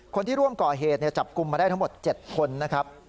คนที่ร่วมก่อเหตุจับกลุ่มมาได้ทั้งหมด๗คนนะครับ